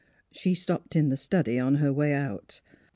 She stopped in the study on her way out.